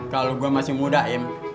kalau gua masih muda im